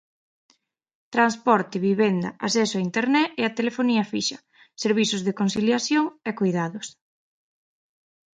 Transporte, vivenda, acceso a internet e a telefonía fixa, servizos de conciliación e coidados.